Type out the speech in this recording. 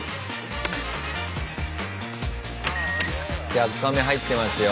１００カメ入ってますよ。